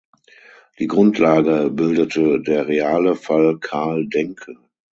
Die Grundlage bildete der reale Fall Karl Denke.